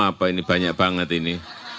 ini mau apa ini banyak banget ini